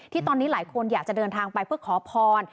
ที่ตอนนี้หลายคนอยากจะเดินทางไปเพื่อขอพร